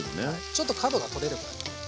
ちょっと角が取れるぐらい。